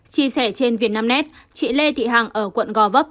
chia sẻ trên vietnamnet chị lê thị hàng ở quận gò vấp